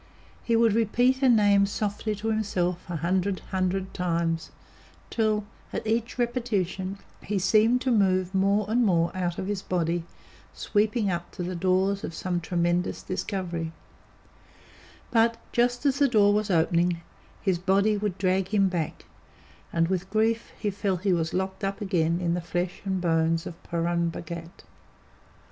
He would repeat a Name softly to himself a hundred hundred times, till, at each repetition, he seemed to move more and more out of his body, sweeping up to the doors of some tremendous discovery; but, just as the door was opening, his body would drag him back, and, with grief, he felt he was locked up again in the flesh and bones of Purun Bhagat.